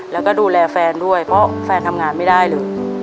แล้วก็ดูแลแฟนด้วยเพราะแฟนทำงานไม่ได้เลย